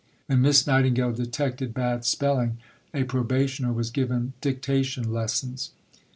When Miss Nightingale detected bad spelling, a probationer was given dictation lessons.